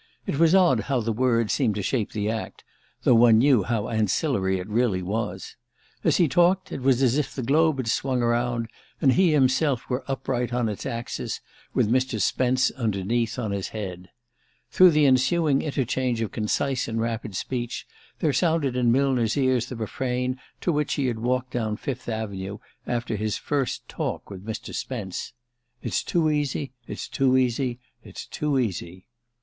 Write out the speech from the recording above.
It was odd how the word seemed to shape the act, though one knew how ancillary it really was. As he talked, it was as if the globe had swung around, and he himself were upright on its axis, with Mr. Spence underneath, on his head. Through the ensuing interchange of concise and rapid speech there sounded in Millner's ears the refrain to which he had walked down Fifth Avenue after his first talk with Mr. Spence: "It's too easy it's too easy it's too easy."